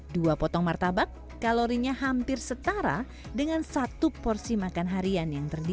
dua potong martabak kalorinya hampir setara dengan satu porsi makan harian yang terdapat